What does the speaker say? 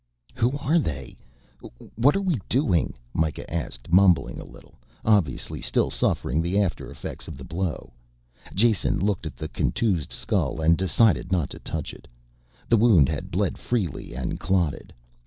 "Who are they? What are we doing?" Mikah asked, mumbling a little, obviously still suffering the after effects of the blow. Jason looked at the contused skull, and decided not to touch it. The wound had bled freely and clotted.